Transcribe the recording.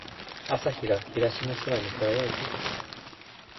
朝日が東の空に輝いている。